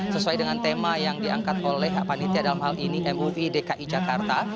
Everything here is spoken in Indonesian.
sesuai dengan tema yang diangkat oleh panitia dalam hal ini mui dki jakarta